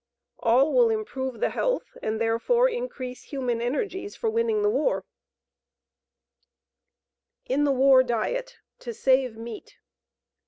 All will improve the health and therefore increase human energies for winning the war. IN THE WAR DIET To Save Meat.